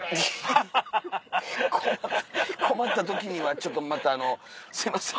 困った時にはちょっとまたすいません。